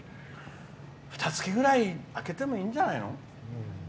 ふたつきぐらいあけてもいいんじゃないの？